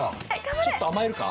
ちょっと甘えるか？